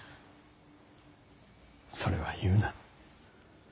それは言うな。